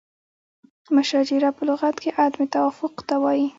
مشاجره په لغت کې عدم توافق ته وایي.